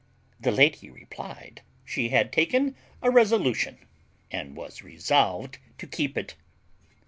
The lady replied, she had taken a resolution, and was resolved to keep it.